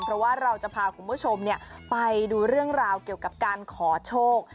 เพราะว่าเราจะพาคุณผู้ชมไปดูเรื่องราวเกี่ยวกับการขอโชค